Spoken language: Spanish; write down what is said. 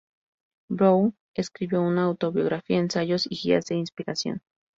Brown escribió una autobiografía, ensayos y guías de inspiración.